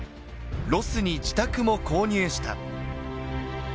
ロスに自宅も購入した。